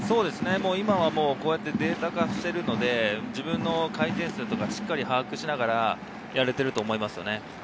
今はデータ化しているので、自分の回転数とかを把握しながらやれていると思いますね。